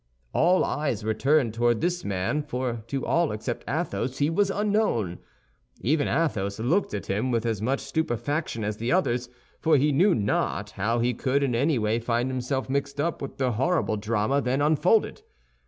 All eyes were turned towards this man—for to all except Athos he was unknown. Even Athos looked at him with as much stupefaction as the others, for he knew not how he could in any way find himself mixed up with the horrible drama then unfolded.